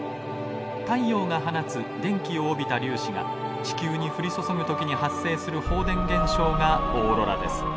太陽が放つ電気を帯びた粒子が地球に降り注ぐ時に発生する放電現象がオーロラです。